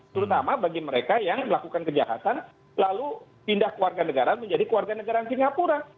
terutama bagi mereka yang melakukan kejahatan lalu pindah ke warga negara menjadi keluarga negara singapura